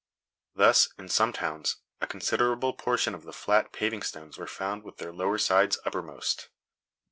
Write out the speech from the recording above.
Thus, in some towns, a considerable portion of the flat pavingstones were found with their lower sides uppermost.